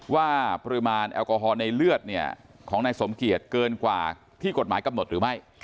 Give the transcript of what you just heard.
ว่าปริมาณแอลกอฮอลในเลือดของนายสมเกียจเกินกว่าที่กฎหมายกำหนดหรือไม่